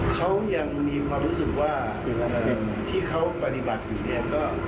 เขายังมีความรู้สึกว่าที่เขาปฏิบัติอยู่เนี่ยก็